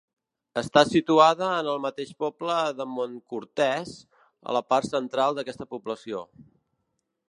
Està situada en el mateix poble de Montcortès, a la part central d'aquesta població.